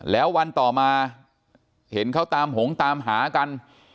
แล้ววันต่อมาเห็นเขาตามหงตามหากัน